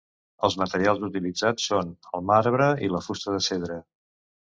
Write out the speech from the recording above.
Els materials utilitzats són el marbre i la fusta de cedre.